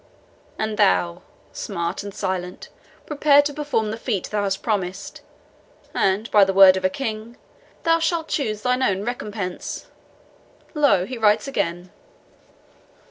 And thou, smart and silent, prepare to perform the feat thou hast promised, and, by the word of a King, thou shalt choose thine own recompense. Lo, he writes again."